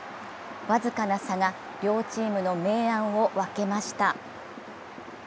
僅かな差が両チームの明暗を分けました。